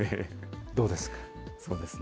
どうですか？